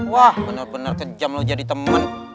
wah bener bener kejam lu jadi temen